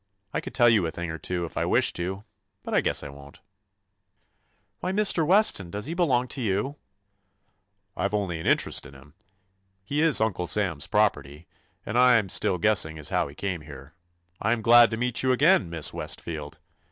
I could tell you a thing or two if I wished to, but I guess I won't." 84 TOMMY POSTOFFICE '*Why, Mr. Weston, does he belong to you?" "I Ve only an interest in him. He is Uncle Sam's property. And I 'm still guessing as to how he came here. I am glad to meet you again. Miss Westfield.